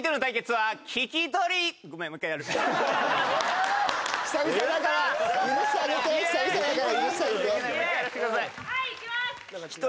はいいきます！